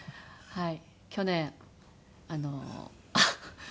はい。